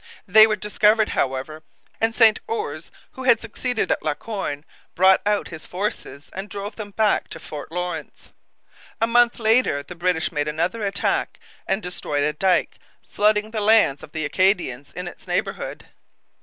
They were discovered, however, and St Ours, who had succeeded La Corne, brought out his forces and drove them back to Fort Lawrence. A month later the British made another attack and destroyed a dike, flooding the lands of the Acadians in its neighbourhood.